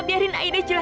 biarin aida jelas